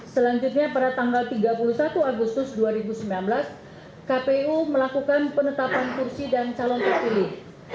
selanjutnya pada tanggal tiga puluh satu agustus dua ribu sembilan belas kpu melakukan penetapan kursi dan calon terpilih